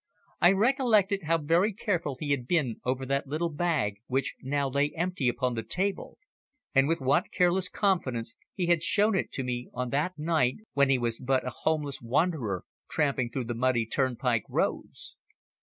I recollected how very careful he had been over that little bag which now lay empty upon the table, and with what careless confidence he had shown it to me on that night when he was but a homeless wanderer tramping the muddy turnpike roads.